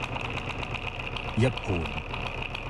一盤